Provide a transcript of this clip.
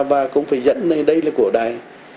và cũng phải dẫn đây là của đài